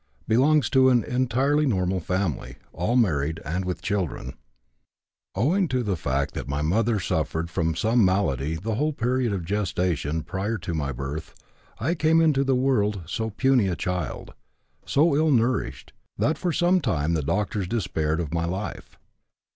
Belongs to an entirely normal family, all married and with children. "Owing to the fact that my mother suffered from some malady the whole period of gestation prior to my birth, I came into the world so puny a child, so ill nourished, that for some time the doctors despaired of my life.